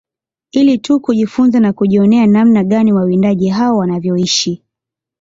Ili tu kujifunza na kujionea namna gani wawindaji hao wanavyoishi